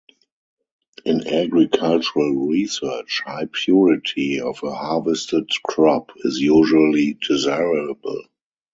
In agricultural research, high purity of a harvested crop is usually desirable.